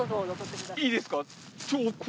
いいですか。